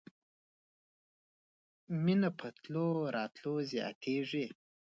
مینه په تلو راتلو زیاتیږي.